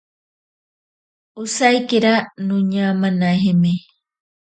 Osaikira noñamanajemi.